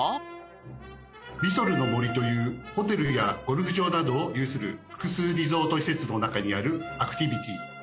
リソルの森というホテルやゴルフ場などを有する複数リゾート施設の中にあるアクティビティー。